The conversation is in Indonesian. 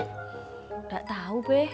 gak tau be